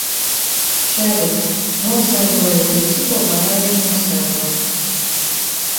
Šerif, noskaidroju visu, ko varēja noskaidrot.